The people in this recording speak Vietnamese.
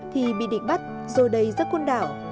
thì bị định bắt rồi đẩy ra con đảo